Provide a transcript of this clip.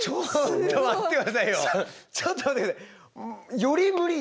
ちょっと待って下さい。